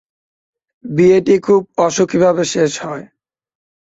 বিয়েটি খুব অসুখীভাবে শেষ হয়।